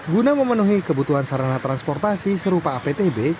guna memenuhi kebutuhan sarana transportasi serupa aptb